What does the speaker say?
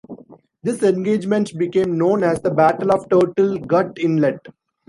This engagement became known as the Battle of Turtle Gut Inlet.